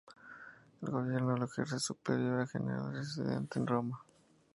El gobierno lo ejerce la superiora general, residente en Roma.